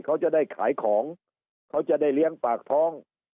เขาจะได้ขายของเขาจะได้เลี้ยงปากท้อง